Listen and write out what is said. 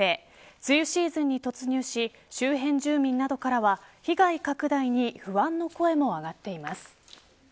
梅雨シーズンに突入し周辺住民などからは被害拡大に不安の声も上がっています。